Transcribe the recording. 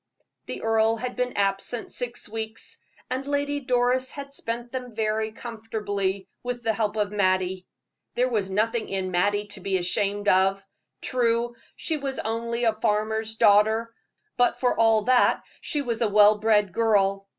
The earl had been absent six weeks, and Lady Doris had spent them very comfortably, with the help of Mattie. There was nothing in Mattie to be ashamed of. True, she was only a farmer's daughter; but for all that she was a well bred girl.